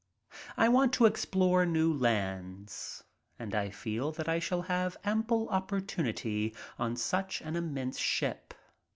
I want to explore new lands and I feel that I shall have ample opportunity on such an immense ship.